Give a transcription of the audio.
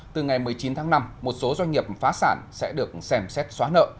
từ ngày một mươi chín tháng năm một số doanh nghiệp phá sản sẽ được xem xét xóa nợ